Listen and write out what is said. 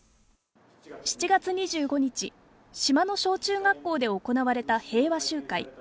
７月２５日、島の小中学校で行われた平和集会。